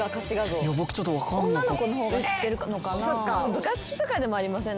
部活とかでもありません？